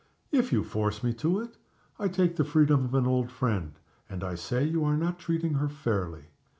"If you force me to it, I take the freedom of an old friend, and I say you are not treating her fairly.